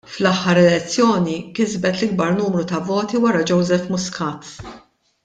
Fl-aħħar elezzjoni kisbet l-ikbar numru ta' voti wara Joseph Muscat.